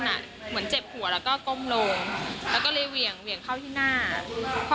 ไม่เคยรู้จักกันมาก่อนแน่นอนตีเข้าที่เพื่อนก่อนฟาดเข้าที่หัว